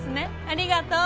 ありがとう。